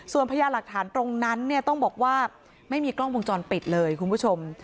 ส่วนพญาหลักฐานตรงนั้นเนี่ยต้องบอกว่าไม่มีกล้องวงจรปิดเลยคุณผู้ชม